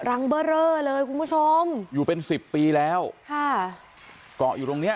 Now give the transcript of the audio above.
เบอร์เรอเลยคุณผู้ชมอยู่เป็นสิบปีแล้วค่ะเกาะอยู่ตรงเนี้ย